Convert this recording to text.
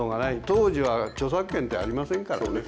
当時は著作権ってありませんからね。